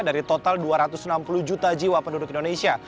dari total dua ratus enam puluh juta jiwa penduduk indonesia